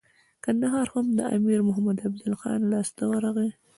کندهار هم د امیر محمد افضل خان لاسته ورغی.